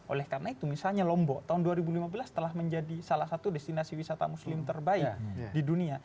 oleh karena itu misalnya lombok tahun dua ribu lima belas telah menjadi salah satu destinasi wisata muslim terbaik di dunia